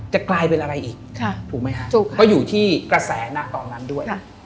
จะกลายเป็นอะไรอีกถูกไหมฮะเพราะอยู่ที่กระแสนะตอนนั้นด้วย